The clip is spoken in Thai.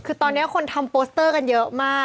คือตอนนี้คนทำโปสเตอร์กันเยอะมาก